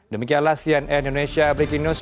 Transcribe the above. demikianlah cnn indonesia breaking news